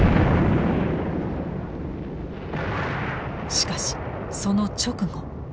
しかしその直後。